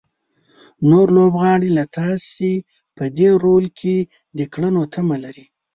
نور لوبغاړي له تاسو په دې رول کې د کړنو تمه لري.